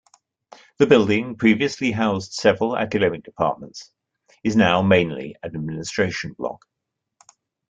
The building, previously housed several academic departments, is now mainly an administration block.